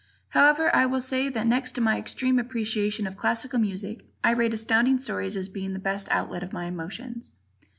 However, I will say that next to my extreme appreciation of classical music, I rate Astounding Stories as being the best outlet of my emotions.